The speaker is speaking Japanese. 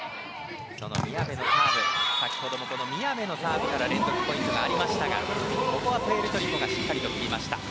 先ほども宮部のサーブから連続ポイントがありましたがここはプエルトリコがしっかり切りました。